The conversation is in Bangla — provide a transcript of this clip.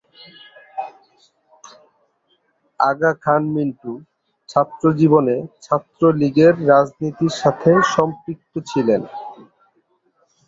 আগা খান মিন্টু ছাত্রজীবনে ছাত্রলীগের রাজনীতির সাথে সম্পৃক্ত ছিলেন।